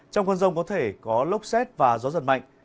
trong cơn rông có thể có lốc xét và gió giật mạnh